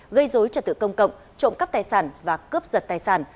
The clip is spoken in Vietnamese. gây dối trật tự công cộng trộm cắp tài sản và cướp giật tài sản